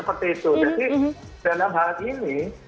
jadi dalam hal ini